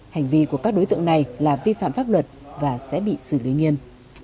hành vi của các đối tượng này là vi phạm pháp luật và sẽ bị xử lý nghiêm